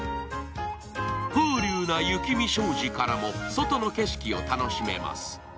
風流な雪見障子からも外の景色を楽しめます。